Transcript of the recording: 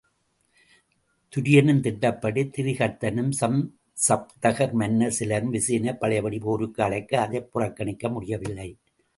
துரியனின் திட்டப்படி திரிகர்த்தனும், சம்சப்தகர் மன்னர் சிலரும் விசயனைப் பழையபடி போருக்கு அழைக்க அதைப் புறக் கணிக்க முடியவில்லை.